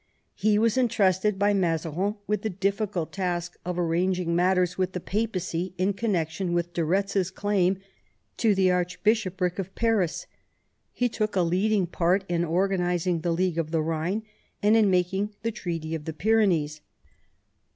He was entrusted by Mazarin with the difficult task of arranging matters with the papacy in connection with de Eetz's claim to the Archbishopric of Paris ; he took a leading part in organising the League of the Ehine, and in making the Treaty of the Pyrenees.